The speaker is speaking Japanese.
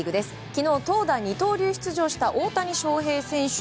昨日、投打二刀流出場した大谷翔平選手